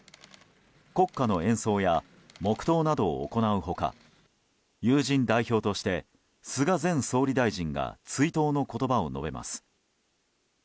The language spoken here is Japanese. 国歌の演奏や黙祷などを行う他友人代表として菅前総理大臣が追悼の言葉を述べます。